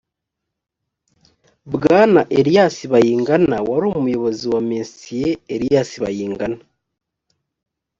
bwana elias baingana wari umuyobozi mr elias baingana